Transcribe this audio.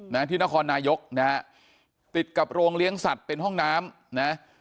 นะที่นครนายกนะฮะติดกับโรงเลี้ยงสัตว์เป็นห้องน้ำนะ